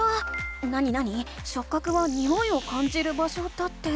なになに「しょっ角はにおいを感じる場所」だって。